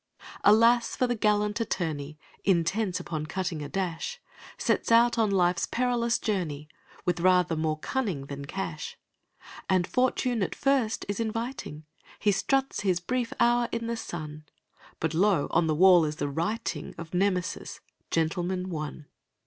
Alas! for the gallant attorney, Intent upon cutting a dash, Sets out on life's perilous journey With rather more cunning than cash. And fortune at first is inviting He struts his brief hour in the sun But, lo! on the wall is the writing Of Nemesis, "Gentleman, One".